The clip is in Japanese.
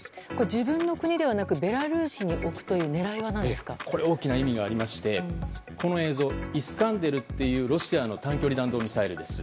自分の国ではなくベラルーシに置くこれは大きな意味がありましてこの映像、イスカンデルというロシアの短距離弾道ミサイルです。